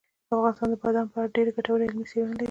افغانستان د بادامو په اړه ډېرې ګټورې علمي څېړنې لري.